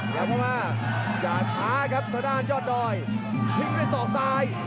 อย่าพอมาอย่าช้าครับตัวด้านยอดรอยทิ้งด้วยสอบซ้าย